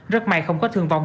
rất may không có thương vong